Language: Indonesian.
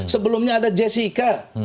sebelumnya ada jessica